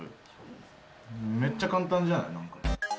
めっちゃ簡単じゃない何か。